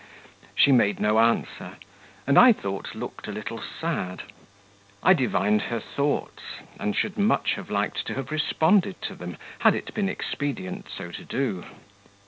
She made no answer, and, I thought, looked a little sad. I divined her thoughts, and should much have liked to have responded to them, had it been expedient so to do.